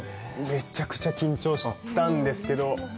めちゃくちゃ緊張したんですけど。